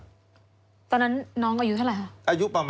ตอนนั้นน้องอายุเท่าไหร่คะ